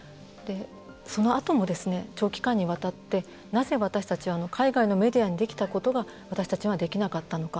そのあとも長期間にわたってなぜ私たちは海外のメディアにできたことが私たちはできなかったのか。